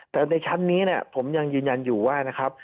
แต่ในชั้นนี้ผมยังยืนยันอยู่ว่านะครับ